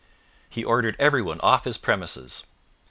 He ordered everyone off his premises.